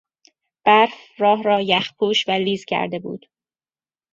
برف راه را یخپوش و لیز کرده بود.